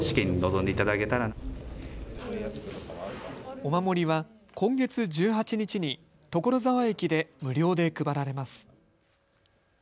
お守りは今月１８日に所沢駅で無料で配られます。